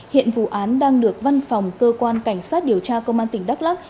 hiện vụ án đang được văn phòng cơ quan cảnh sát điều tra công an tỉnh đắk lắc